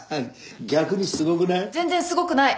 逆にすごくない？